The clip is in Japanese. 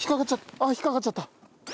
ああ引っかかっちゃった。